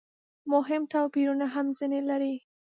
مهم توپیرونه هم ځنې لري.